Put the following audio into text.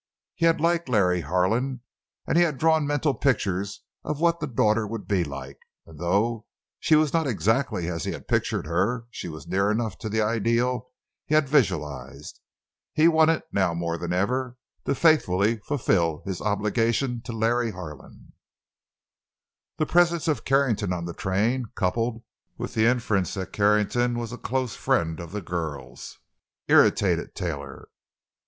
He had liked Larry Harlan, and he had drawn mental pictures of what the daughter would be like; and, though she was not exactly as he had pictured her, she was near enough to the ideal he had visualized. He wanted, now more than ever, to faithfully fulfil his obligation to Larry Harlan. The presence of Carrington on the train, coupled with the inference that Carrington was a close friend of the girl's, irritated Taylor.